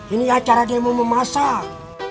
ini acaranya mau memasak